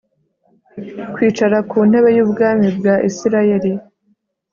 kwicara ku ntebe y ubwami bwa Isirayeli